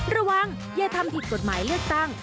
อย่าทำผิดกฎหมายเลือกตั้ง